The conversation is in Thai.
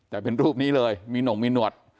แต่เป็นรูปนี้เลยมีหน่งมีหนวด